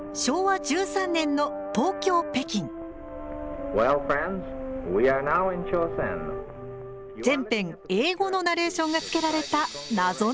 全編英語のナレーションがつけられた謎の映画です。